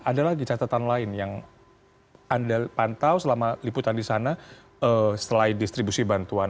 ada lagi catatan lain yang anda pantau selama liputan di sana setelah distribusi bantuan